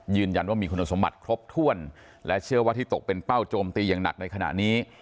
ยืนยันว่ามีคุณสมบัติครบถ้วนและเชื่อว่าที่ตกเป็นเป้าโจมตีอย่างหนักในขณะนี้